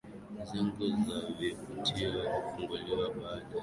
Zengi ya vivutio hufunguliwa baadaye na karibu